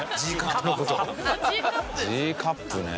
Ｇカップね。